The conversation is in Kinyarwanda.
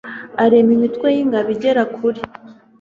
arema imitwe y'ingabo igera kuri